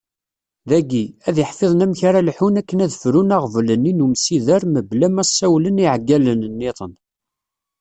Dagi, ad iḥfiḍen amek ara lḥun akken ad ffrun aɣbel-nni n umsider mebla ma ssawlen i yiɛeggalen nniḍen.